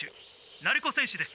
鳴子選手です」。